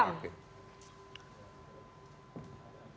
ruang teksnya itu